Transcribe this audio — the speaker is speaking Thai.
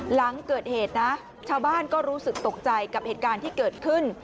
หลังเกิดเหตุนะชาวบ้านก็รู้สึกตกใจกับเหตุการณ์ที่เกิดขึ้น